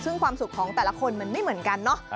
ซึ่งความสุขของแต่ละคนมันไม่เหมือนกันเนาะ